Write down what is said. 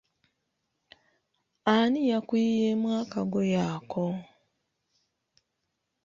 Ani yakuyiyeemu akagoye ako?